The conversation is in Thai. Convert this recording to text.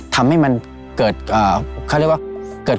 ทำให้มันเกิด